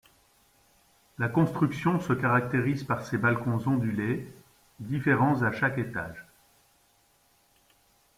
La construction se caractérise par ses balcons ondulés, différents à chaque étage.